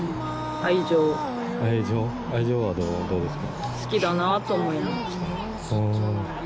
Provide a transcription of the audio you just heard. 愛情はどうですか？